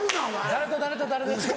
誰と誰と誰ですか？